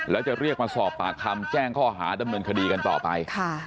แล้วจะเรียกมาสอบปากคำแจ้งข้อหาดำเนินคดีกันต่อไป